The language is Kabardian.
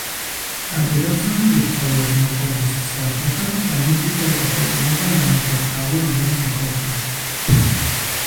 Адыгэбзэм къищта языныкъуэ урыс псалъэхэр фонетикэ зэхъуэкӏыныгъэ ямыгъуэтауэ бзэм къыхохьэ.